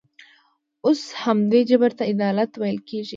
اوس همدې جبر ته عدالت ویل کېږي.